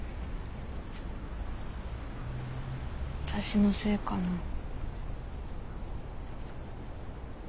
私のせいかな？